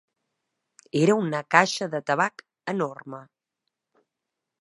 Era una caixa de tabac enorme.